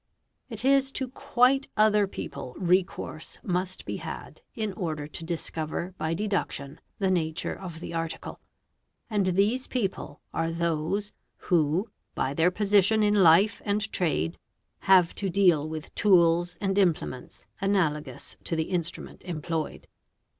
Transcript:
it is to quite other people recourse must be had in order to discover by 'duction the nature of the article, and these people are those who, by ABR VANS EBSA TE Na ET LL ATES ORES Ala H's leir position in life and trade, have to deal with tools and implements lalogous to the instrument employed.